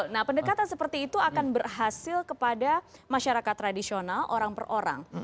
nah pendekatan seperti itu akan berhasil kepada masyarakat tradisional orang per orang